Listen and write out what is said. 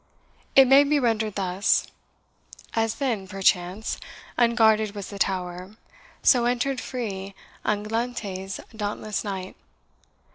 It may be rendered thus: As then, perchance, unguarded was the tower, So enter'd free Anglante's dauntless knight.